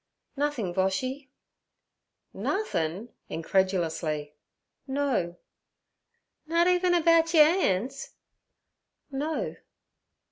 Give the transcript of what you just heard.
'Nothing, Boshy.' 'Nothin'?' incredulously. 'No.' 'Nut even about yer 'an's?' 'No.'